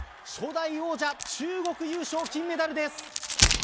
初代王者中国優勝、金メダルです。